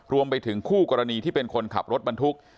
รวมไปถึงคู่กรณีที่เป็นคนขับรถบรรทุก